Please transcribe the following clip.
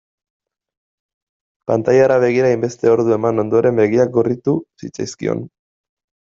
Pantailara begira hainbeste ordu eman ondoren begiak gorritu zitzaizkion.